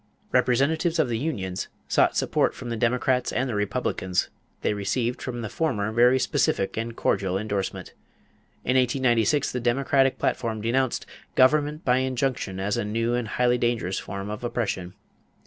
Representatives of the unions sought support from the Democrats and the Republicans; they received from the former very specific and cordial endorsement. In 1896 the Democratic platform denounced "government by injunction as a new and highly dangerous form of oppression."